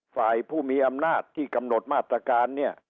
ฝ่ายผู้มีอำนาจที่กำหนดมาตรการเนี่ย